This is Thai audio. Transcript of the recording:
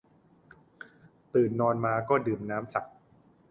ตื่นนอนมาก็ดื่มน้ำสัก